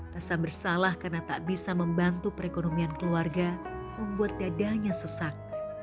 rasa bersalah karena tak bisa membantu perekonomian keluarga membuat dadanya sesak